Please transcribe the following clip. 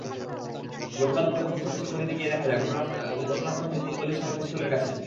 গতকাল দুপুরে post office গলিতে গিয়ে দেখা যায়, ঘটনাস্থলটি তিন গলির সংযোগস্থলের কাছে।